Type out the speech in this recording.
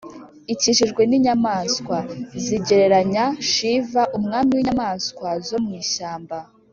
ikikijwe n’inyamaswa (zigereranya shiva, ‘umwami w’inyamaswa zo mu ishyamba’).